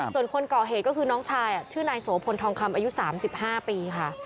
ส่วนคนก่อเหตุก็คือน้องชายชื่อนายโสพลทองคำอายุ๓๕ปีค่ะ